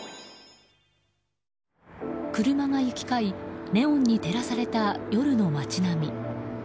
車が行き交いネオンに照らされた夜の街並み。